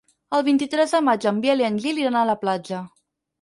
El vint-i-tres de maig en Biel i en Gil iran a la platja.